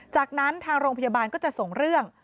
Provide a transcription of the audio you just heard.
จากนั้นทางโรงพยาบาลก็จะส่งเรื่อง